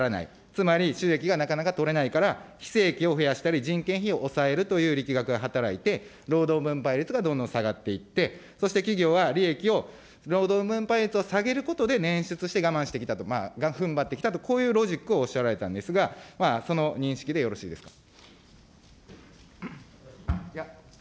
つまり収益がなかなかとれないから非正規を増やしたり、人件費を抑えるという力学が働いて、労働分配率がどんどん下がっていって、そして企業は、利益を、労働分配率を下げることで捻出して我慢してきたと、ふんばってきたと、こういうロジックをおっしゃられたんですが、その認識でよろしいですか。